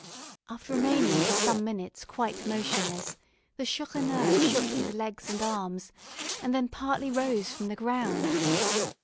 After remaining for some minutes quite motionless, the Chourineur shook his legs and arms, and then partly rose from the ground.